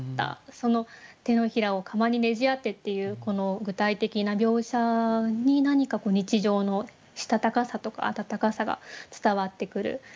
その「手のひらを釜に捩ぢ当て」っていうこの具体的な描写に何か日常のしたたかさとか温かさが伝わってくる。